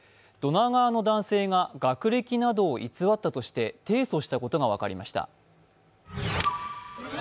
ドナー側の男性が学歴などを偽ったとして提訴したことが分かりました。